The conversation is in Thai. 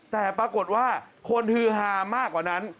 แต่ปรากฏว่าคนฮือฮามากกว่านั้น